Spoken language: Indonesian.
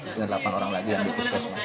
tinggal delapan orang lagi yang di puskesmas